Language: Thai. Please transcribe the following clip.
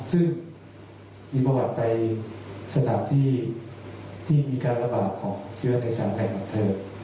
ซึ่งมีประวัติไปสถานที่ที่มีการระบาดของชื่อในสถานการณ์ของเธอ